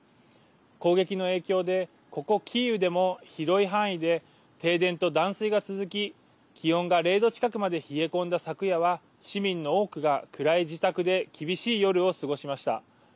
攻撃の影響で、ここキーウでも広い範囲で停電と断水が続き気温が０度近くまで冷え込んだ昨夜は市民の多くが暗い自宅で厳しい夜を過ごしました。